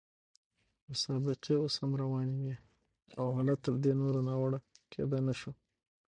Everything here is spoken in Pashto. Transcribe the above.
مسابقې اوس هم روانې وې او حالت تر دې نور ناوړه کېدای نه شو.